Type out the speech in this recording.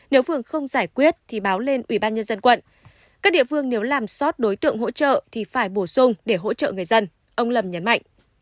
nếu phường không giải quyết thì báo lên ubnd quận các địa phương nếu làm sót đối tượng hỗ trợ thì phải bổ sung để hỗ trợ người dân ông lâm nhấn mạnh